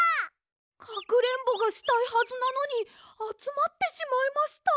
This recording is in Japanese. かくれんぼがしたいはずなのにあつまってしまいました。